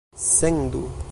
sendu